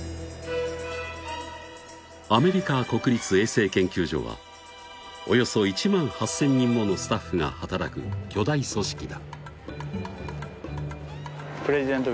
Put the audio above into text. アメリカ国立衛生研究所はおよそ１万８０００人ものスタッフが働く巨大組織だ